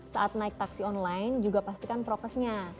saat naik taksi online juga pastikan prokesnya